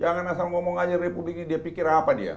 jangan asal ngomong aja republik ini dia pikir apa dia